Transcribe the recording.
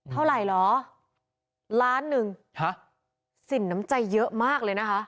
เท่าไหร่เหรอล้านหนึ่งฮะสินน้ำใจเยอะมากเลยนะคะ